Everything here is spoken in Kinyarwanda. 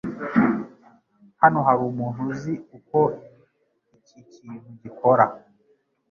Hano hari umuntu uzi uko iki kintu gikora?